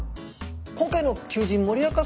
今回の求人森若さん